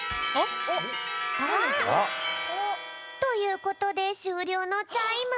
あっ？ということでしゅうりょうのチャイム！